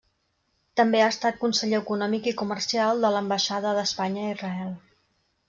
També ha estat conseller econòmic i comercial de l'Ambaixada d'Espanya a Israel.